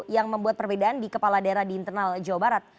yang membuat perbedaan di kepala daerah di internal jawa barat